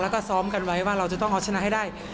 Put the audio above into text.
แล้วก็ซ้อมกันไว้ว่าเราจะต้องเอาชนะให้ได้